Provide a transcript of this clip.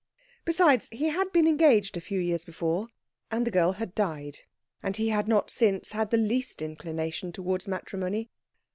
Besides, he had been engaged a few years before, and the girl had died, and he had not since had the least inclination towards matrimony.